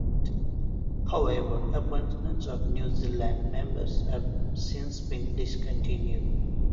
However, appointments of New Zealand members have since been discontinued.